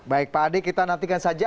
baik pak ade kita nantikan saja